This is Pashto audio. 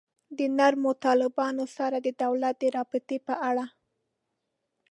د نرمو طالبانو سره د دولت د رابطې په اړه.